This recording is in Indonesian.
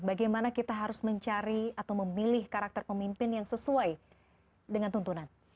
bagaimana kita harus mencari atau memilih karakter pemimpin yang sesuai dengan tuntunan